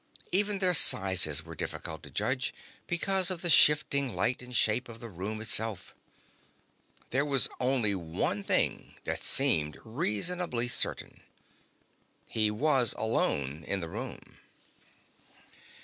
Even their sizes were difficult to judge, because of the shifting light and shape of the room itself. There was only one thing that seemed reasonably certain. He was alone in the room.